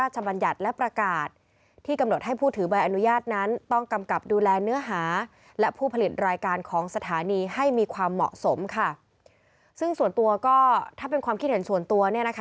หรือก็ถ้าเป็นความคิดเห็นส่วนตัว